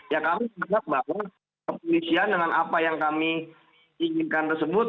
ya kami berharap bahwa kepolisian dengan apa yang kami inginkan tersebut